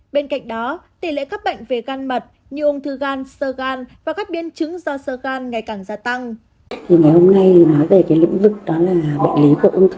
bên cạnh đó tỷ lệ các bệnh về gan mật như ung thư gan sơ gan và các biên chứng do sơ gan ngày càng gia tăng